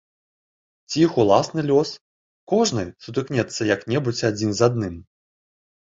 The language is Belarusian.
Ці іх уласны лёс, кожнай, сутыкнецца як-небудзь адзін з адным?